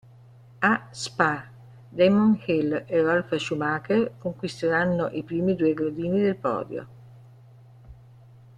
A Spa, Damon Hill e Ralf Schumacher conquisteranno i primi due gradini del podio.